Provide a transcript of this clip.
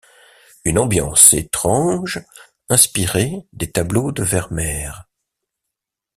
Une ambiance étrange inspirée des tableaux de Vermeer.